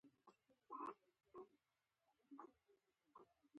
وطن له مور او پلاره خوږ دی.